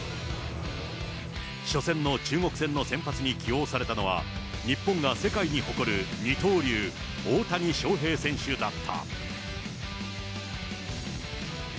初戦の中国戦の先発に起用されたのは、日本が世界に誇る二刀流、大谷翔平選手だった。